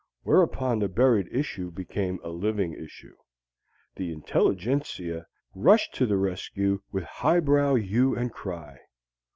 Whereupon the buried issue became a Living Issue. The intelligentsia rushed to the rescue with highbrow hue and cry.